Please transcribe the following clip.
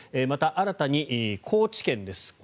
また、新たに高知県です。